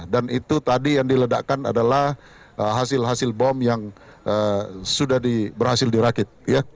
dan itu tadi yang diledakkan adalah hasil hasil bom yang sudah berhasil dirakit